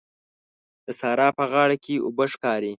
د سارا په غاړه کې اوبه ښکاري.